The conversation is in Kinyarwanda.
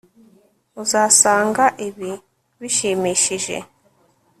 Uzasanga ibi bishimishije